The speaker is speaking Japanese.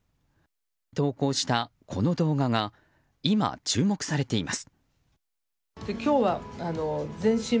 投稿したこの動画が今、注目されています。